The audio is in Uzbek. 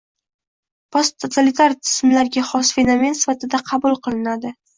posttotalitar tizimlarga xos fenomen sifatida qabul qilinadi.